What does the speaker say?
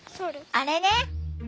あれね。